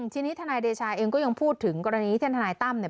ทีนี้ทนายเดชาก็ยังพูดถึงกรณีท่านทนายต้ำ